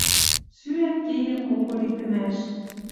Сӱӓн кеен кого литӹмӓш.